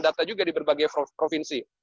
data juga di berbagai provinsi